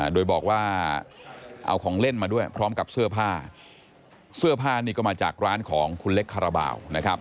โดยบอกว่าเอาของเล่นมาด้วยพร้อมกับเสื้อผ้าเสื้อผ้านี่ก็มาจากร้านของคุณเล็กคาราบาลนะครับ